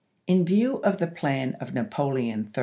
In view of the plan of Napoleon III.